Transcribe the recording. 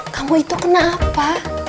kamu itu kenapa